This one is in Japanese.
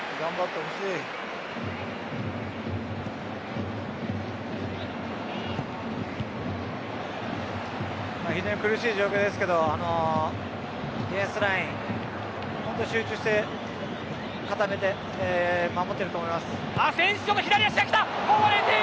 大変苦しい状況ですけどディフェンスライン集中して固めて守っていると思います。